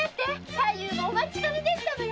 太夫もお待ちかねでしたのよ。